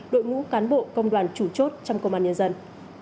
đội ngũ cán bộ công đoàn chủ chốt trong công an nhân dân